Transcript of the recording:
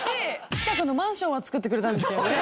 近くのマンションは作ってくれたんですけどね。